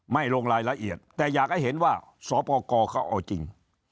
ลงรายละเอียดแต่อยากให้เห็นว่าสปกรเขาเอาจริง